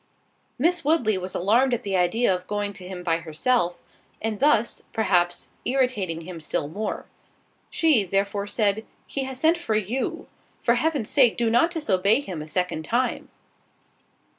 Miss Woodley was alarmed at the idea of going to him by herself, and thus, perhaps, irritating him still more: she, therefore, said, "He has sent for you; for heaven's sake, do not disobey him a second time."